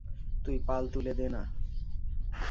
তুই পাল তুলে দে না।